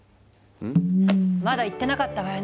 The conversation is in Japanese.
まだ言ってなかったわよね？